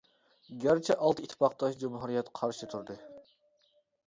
گەرچە ئالتە ئىتتىپاقداش جۇمھۇرىيەت قارشى تۇردى .